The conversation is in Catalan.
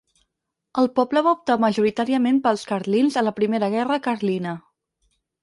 El poble va optar majoritàriament pels carlins a la Primera Guerra Carlina.